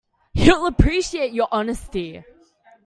He'll appreciate your honesty.